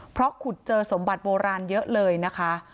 เพราะขุดเจอสมบัติโบราณเยอะเลยนะคะ